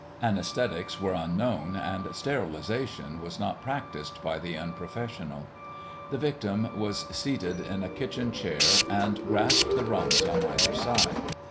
Anæsthetics were unknown, and sterilization was not practised by the unprofessional. The victim was seated in a kitchen chair and grasped the rungs on either side.